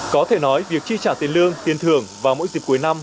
có thể nói việc chi trả tiền lương tiền thưởng vào mỗi dịp cuối năm